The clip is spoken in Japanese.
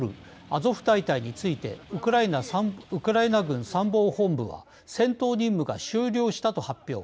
アゾフ大隊についてウクライナ軍参謀本部は戦闘任務が終了したと発表。